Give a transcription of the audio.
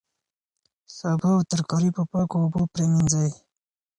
سابه او ترکاري په پاکو اوبو پریمنځئ.